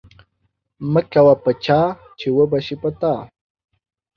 مه کوه په چا، چی وبه شي په تا